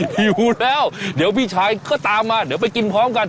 หิวแล้วเดี๋ยวพี่ชายก็ตามมาเดี๋ยวไปกินพร้อมกัน